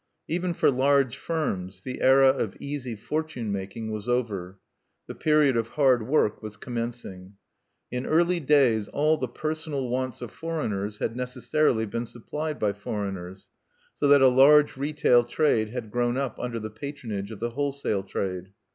Even for large firms the era of easy fortune making was over; the period of hard work was commencing. In early days all the personal wants of foreigners had necessarily been supplied by foreigners, so that a large retail trade had grown up under the patronage of the wholesale trade.